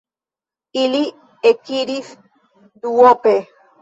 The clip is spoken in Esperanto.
Ili ekiris duope.